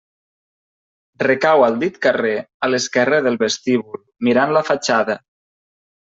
Recau al dit carrer a l'esquerra del vestíbul, mirant la fatxada.